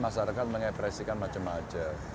masyarakat mengepresikan macam macam